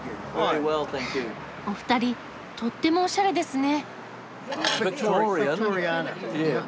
お二人とってもおしゃれですね。